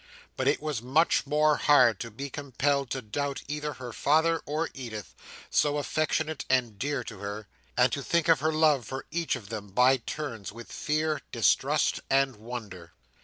But it was much more hard to be compelled to doubt either her father or Edith, so affectionate and dear to her, and to think of her love for each of them, by turns, with fear, distrust, and wonder.